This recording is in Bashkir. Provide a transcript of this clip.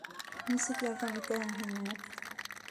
Нисек ярҙам итәһең һин миңә?!